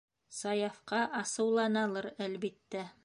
Саяфҡа асыуланалыр, әлбиттә.